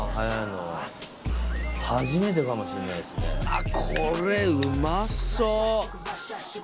あっこれうまそう！